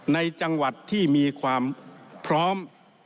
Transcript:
ในจังหวัดที่มีความพร้อม